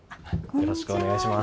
よろしくお願いします。